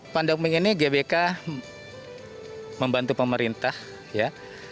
pandemi ini gbk membantu pemerintah ya